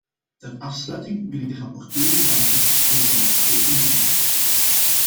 Ter afsluiting wil ik de rapporteur bedanken voor zijn uitstekende werk.